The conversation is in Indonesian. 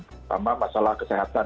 pertama masalah kesehatan